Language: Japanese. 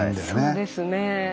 そうですね。